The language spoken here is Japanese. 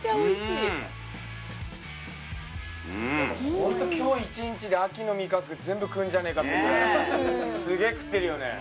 ホント今日１日で秋の味覚全部食うんじゃねえかってくらいすげえ食ってるよね。